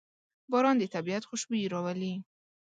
باران د طبیعت خوشبويي راولي.